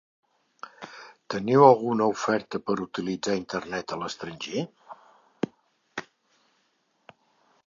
Teniu alguna oferta per utilitzar internet a l'estranger?